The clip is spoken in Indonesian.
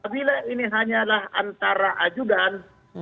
bila ini hanyalah antara ajudan